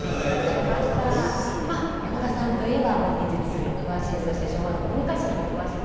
まあ山田さんといえば美術史にお詳しいそして昭和の文化史にもお詳しい。